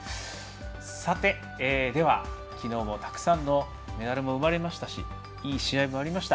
では、昨日もたくさんメダルも生まれましたしいい試合もありました。